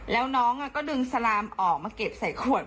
แล้วน้องก็ดึงสลามออกมาเก็บใส่ขวด